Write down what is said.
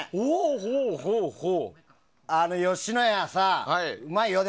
吉野家さ、うまいよ。